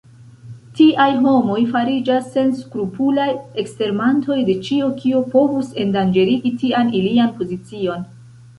Tiaj homoj fariĝas senskrupulaj ekstermantoj de ĉio, kio povus endanĝerigi tian ilian pozicion.